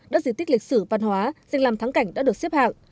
đất di tích lịch sử văn hóa danh làm thắng cảnh đã được xếp hạng